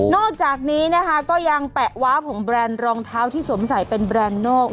อกจากนี้นะคะก็ยังแปะว้าผงแรนด์รองเท้าที่สวมใส่เป็นแบรนด์นอก